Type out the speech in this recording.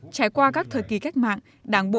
trải qua các thời kỳ cách mạng đảng bộ